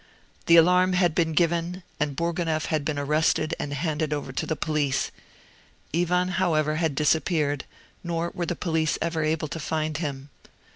The alarm had been given, and Bourgonef had been arrested and handed over to the police. Ivan, however, had disappeared; nor were the police ever able to find him.